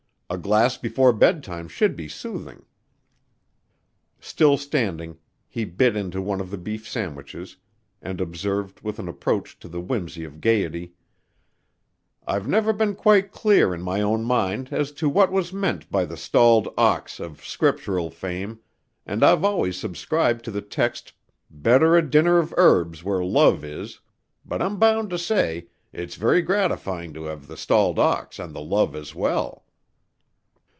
A glass before bedtime should be soothing." Still standing, he bit into one of the beef sandwiches, and observed with an approach to the whimsy of gayety: "I've never been quite clear in my own mind as to what was meant by the stalled ox of scriptural fame and I've always subscribed to the text 'better a dinner of herbs where love is' but I'm bound to say, it's very gratifying to have the stalled ox and the love as well."